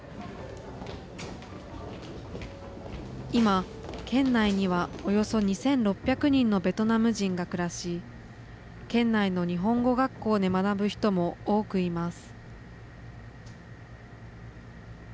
今、県内にはおよそ２６００人のベトナム人が暮らし県内の日本語学校で学ぶ人も多くいます。